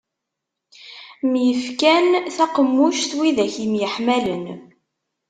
Myefkan taqemmuct widak yemḥemmalen.